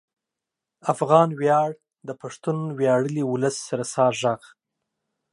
افغان ویاړ د پښتون ویاړلي ولس رسا غږ